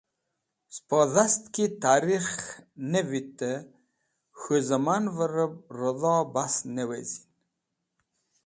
Spo dhast ki tarikh ne vetẽ k̃hũ zẽmanvẽr redho basẽb ne wezin.